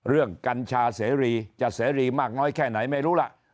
กัญชาเสรีจะเสรีมากน้อยแค่ไหนไม่รู้ล่ะ